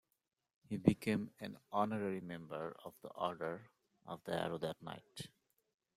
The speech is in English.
He became an honorary member of the Order of the Arrow that night.